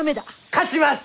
勝ちます！